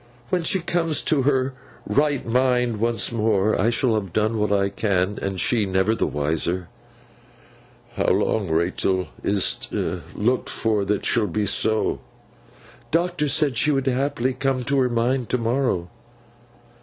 When she comes to her right mind once more, I shall have done what I can, and she never the wiser.' 'How long, Rachael, is 't looked for, that she'll be so?' 'Doctor said she would haply come to her mind to morrow.